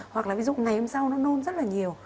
hoặc là ví dụ ngày hôm sau nó nôn rất là nhiều